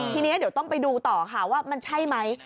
ทีนี้เดี๋ยวต้องไปดูต่อค่ะว่ามันใช่ไหม